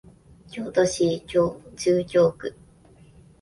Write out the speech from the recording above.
京都市中京区